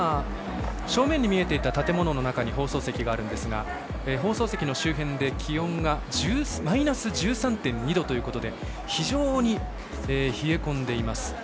正面に見えていた建物の中に放送席がありますが放送席の周辺で気温がマイナス１３．２度ということで非常に冷え込んでいます。